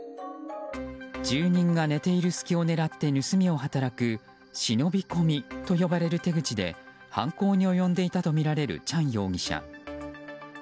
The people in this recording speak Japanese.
住人が寝ている隙を狙って盗みを働く忍び込みと呼ばれる手口で犯行に及んでいたとみられるチャン容疑者。